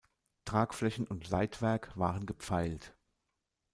Tragflächen und Leitwerk waren gepfeilt.